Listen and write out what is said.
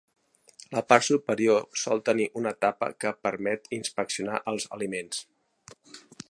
La part superior sol tenir una tapa que permet inspeccionar els aliments.